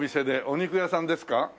お肉屋さんですか？